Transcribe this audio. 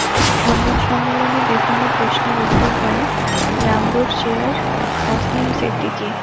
সংবাদ সম্মেলনে বিভিন্ন প্রশ্নের উত্তর দেন রামরুর চেয়ার তাসনিম সিদ্দিকী।